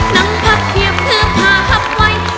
นั่งพักเหี้ยบเพื่อพาพับไว้